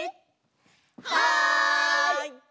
はい！